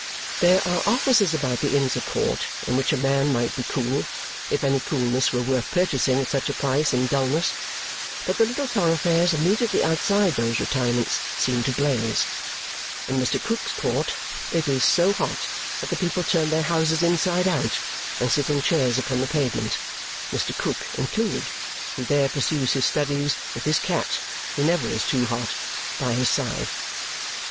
There are offices about the Inns of Court in which a man might be cool, if any coolness were worth purchasing at such a price in dullness; but the little thoroughfares immediately outside those retirements seem to blaze. In Mr. Krook's court, it is so hot that the people turn their houses inside out and sit in chairs upon the pavement Mr. Krook included, who there pursues his studies, with his cat (who never is too hot) by his side.